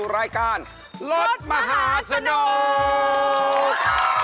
รายการรถมหาสนุก